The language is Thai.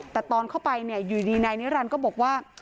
แต่ตอนเข้าไปอยู่ดีนายนิรันดิ์ก็บอกว่า